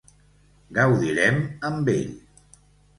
Gaudirem amb ell.